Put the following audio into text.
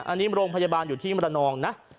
อันนี้โรงพยาบาลอยู่ที่มรนองนะ